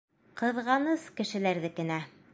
Ҡыҙғаныс кешеләрҙекеңә!